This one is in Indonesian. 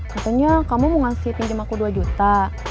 katanya kamu mau ngasih pinjam aku dua juta